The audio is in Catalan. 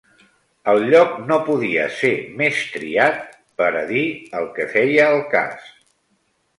El lloc no podia ser més triat pera dir el que feia el cas.